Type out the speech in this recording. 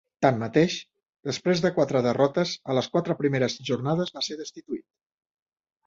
Tanmateix, després de quatre derrotes en les quatre primeres jornades, va ser destituït.